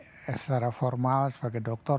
secara formal sebagai dokter